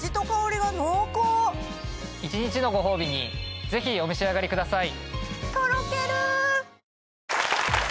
一日のご褒美にぜひお召し上がりください。